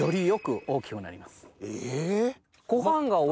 え！